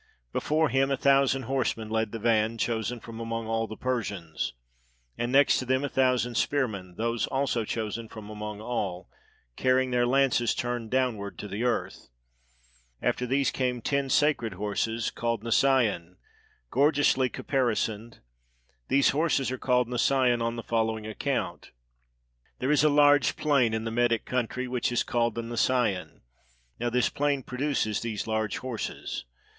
Before him a thousand horsemen led the van, chosen from among all the Persians; and next to them a thousand spearmen, those also chosen from among all, carrying their lances turned downward to the earth. After these came ten sacred horses called Nisaean, gorgeously caparisoned. These horses are called Nissean on the following account : there is a large plain in the Medic territory which is called the Nisaean; now this plain produces these large horses.